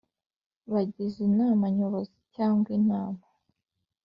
Bagize inama nyobozi cyangwa inama